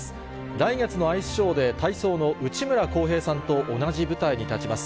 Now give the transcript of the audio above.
来月のアイスショーで、体操の内村航平さんと同じ舞台に立ちます。